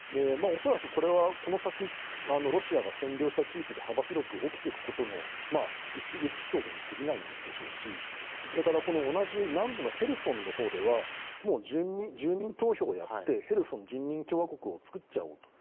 恐らく、これはこの先ロシアが占領した地域で幅広く起きていくことの１エピソードに過ぎないんでしょうしそれから同じ南部のヘルソンではもう住民投票をやってヘルソン人民共和国を作ってしまおう。